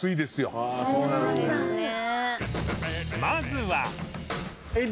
まずは